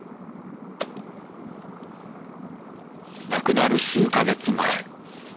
亡くなる数か月前。